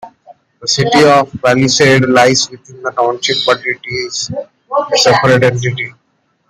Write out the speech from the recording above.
The city of Palisade lies within the township but is a separate entity.